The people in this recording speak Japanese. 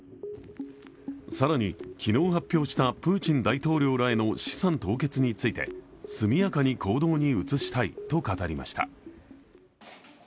更に、昨日発表したプーチン大統領らへの資産凍結について、速やかに行動に移したいと語りました。